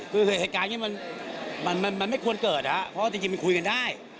คือเหตุการณ์นี้มันไม่ควรเกิดเพราะว่าจริงมันคุยกันได้